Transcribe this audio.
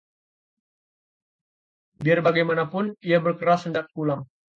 biar bagaimanapun, ia berkeras hendak pulang